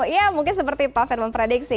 ya mungkin seperti pak firman prediksi